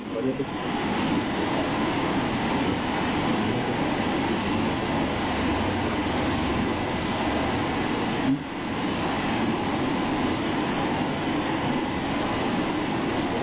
ผิดผิดหนี้อีกแล้ว